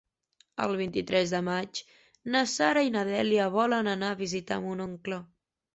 El vint-i-tres de maig na Sara i na Dèlia volen anar a visitar mon oncle.